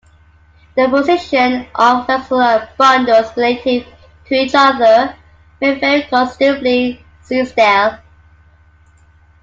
The position of vascular bundles relative to each other may vary considerably: see stele.